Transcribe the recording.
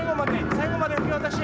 最後まで受け渡し。